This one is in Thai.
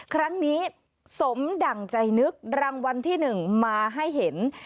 ครั้งนี้สมดั่งใจนึกรางวัลที่๑มาให้เห็น